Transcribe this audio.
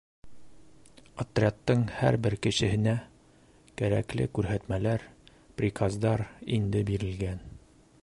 Отрядтың һәр бер кешеһенә кәрәкле күрһәтмәләр, приказдар инде бирелгән.